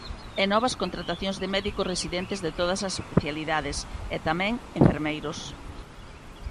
E novas contratacións de médicos residentes de todas as especialidades e tamén enfermeiros.